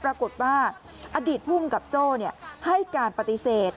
ปรากฏว่าอดีตภูมิกับโจ้ให้การปฏิเสธ